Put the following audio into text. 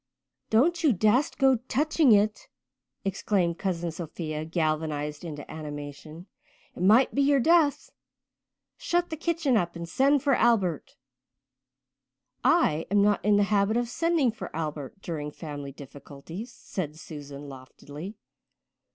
"Don't you dast go touching it," exclaimed Cousin Sophia, galvanized into animation. "It might be your death. Shut the kitchen up and send for Albert." "I am not in the habit of sending for Albert during family difficulties," said Susan loftily.